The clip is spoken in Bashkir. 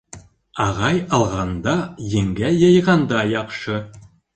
Ағай алғанда, еңгә йыйғанда яҡшы.